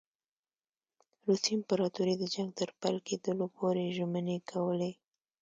روسي امپراطوري د جنګ تر پیل کېدلو پوري ژمنې کولې.